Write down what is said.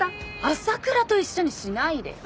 朝倉と一緒にしないでよ。